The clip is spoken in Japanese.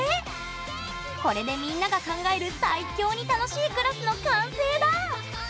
これでみんなが考える最強に楽しいクラスの完成だ！